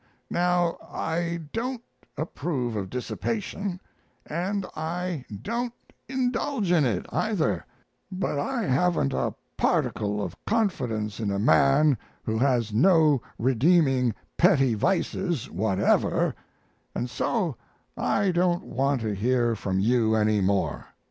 Now, I don't approve of dissipation, and I don't indulge in it, either; but I haven't a particle of confidence in a man who has no redeeming petty vices whatever, and so I don't want to hear from you any more.